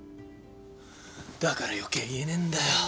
だから余計言えねえんだよ。